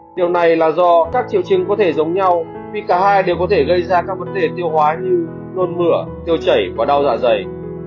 điều này là do các triệu chứng có thể giống nhau khi cả hai đều có thể gây ra các vấn đề tiêu hóa như nôn mửa tiêu chảy và đau dạ dày